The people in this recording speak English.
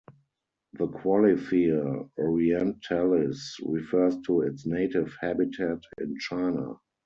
The qualifier "orientalis" refers to its native habitat in China.